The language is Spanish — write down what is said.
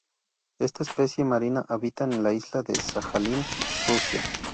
Esta especie marina habitaba en Isla de Sajalín, Rusia.